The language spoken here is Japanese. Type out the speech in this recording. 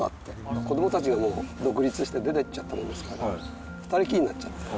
子どもたちがもう、独立して出ていっちゃったもんですから、２人きりになっちゃって。